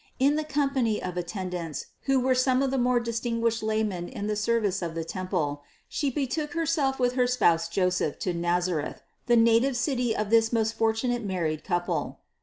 In the company of attendants who were some of the more distinguished laymen in the service of the temple, She betook Herself with her spouse Joseph to Nazareth, the native city of this most fortunate married couple.